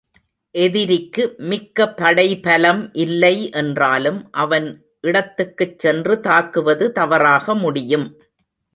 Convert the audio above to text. எதிரிக்கு மிக்க படைபலம் இல்லை என்றாலும் அவன் இடத்துக்குச் சென்று தாக்குவது தவறாக முடியும்.